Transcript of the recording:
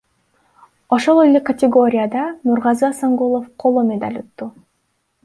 Ошол эле категорияда Нургазы Асангулов коло медаль утту.